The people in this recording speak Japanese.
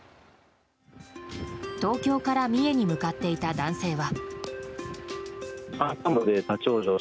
東京から三重に向かっていた男性は。